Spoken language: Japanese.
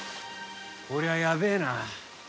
こりゃやべえな。